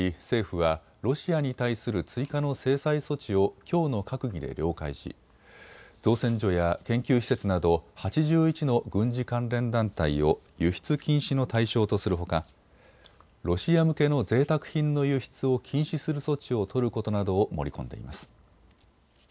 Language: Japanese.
政府はロシアに対する追加の制裁措置をきょうの閣議で了解し、造船所や研究施設など８１の軍事関連団体を輸出禁止の対象とするほかロシア向けのぜいたく品の輸出を禁止する措置を取ることなどを盛り込んでいます。